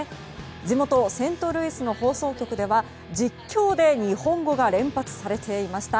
地元セントルイスの放送局では実況で日本語が連発されていました。